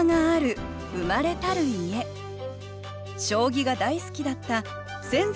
将棋が大好きだった先崎